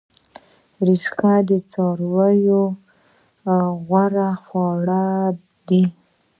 رشقه د څارویو غوره خواړه دي